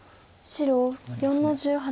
白４の十八。